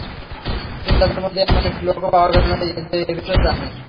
কিন্তু তাদের মধ্যে এমন একটি লোকও পাওয়া গেল না, যে এ বিষয়ে জানে।